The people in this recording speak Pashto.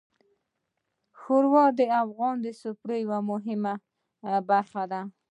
ښوروا د افغان سفرې یوه مهمه برخه ده.